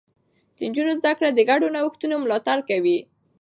د نجونو زده کړه د ګډو نوښتونو ملاتړ کوي.